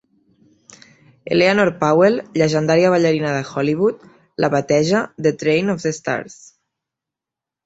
Eleanor Powell, llegendària ballarina de Hollywood, la bateja The Train of the Stars.